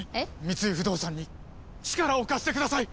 三井不動産に力を貸してください！